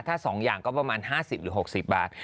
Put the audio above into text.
ถ้าสองอย่างก็ประมาณ๕๐๖๐บาท